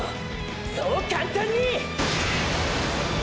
そう簡単に！！